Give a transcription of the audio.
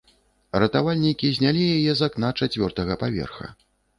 Ратавальнікі знялі яе з акна чацвёртага паверха.